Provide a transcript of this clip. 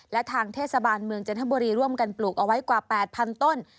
และทางเทศบาลเมืองจันทบุรีร่วมกันปลูกเอาไว้กว่า๘๐๐๐ต้น